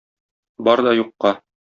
Бар да юкка!